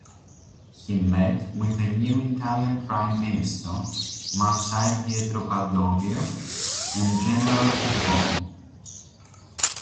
He met with the new Italian Prime Minister, Marshal Pietro Badoglio and General Carboni.